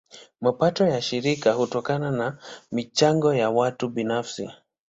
Mapato ya shirika hutokana na michango ya watu binafsi.